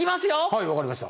はい分かりました。